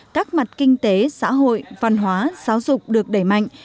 các mặt kinh tế xã hội văn hóa giáo dục được đẩy mạnh